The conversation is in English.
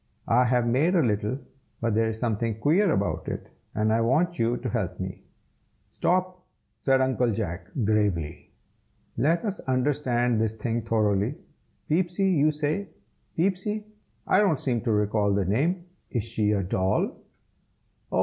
I have made a little, but there is something queer about it, and I want you to help me." "Stop!" said Uncle Jack, gravely. "Let us understand this thing thoroughly. Peepsy, you say? Peepsy? I don't seem to recall the name. Is she a doll?" "Oh!